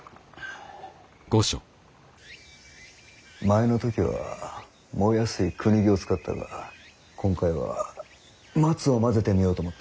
前の時は燃えやすいクヌギを使ったが今回はマツを混ぜてみようと思ってる。